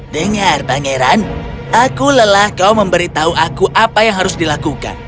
dengar pangeran aku lelah kau memberitahu aku apa yang harus dilakukan